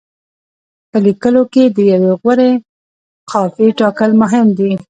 په لیکلو کې د یوې غوره قافیې ټاکل مهم دي.